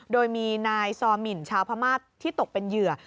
โดยมีนายซอมินชาวพม่าที่ตกเป็นเหยื่อ